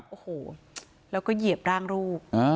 โอ้โหแล้วก็เหยียบร่างลูก